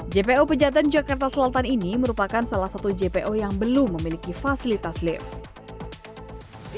jpo pejaten jakarta selatan ini merupakan salah satu jpo yang belum memiliki fasilitas lift